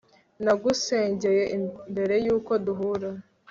Nagusengeye mbere yuko duhura…